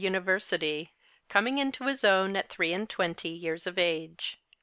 37 university, coming into his own at three and twenty years of age.